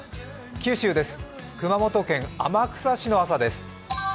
九州です、熊本県天草市の朝です。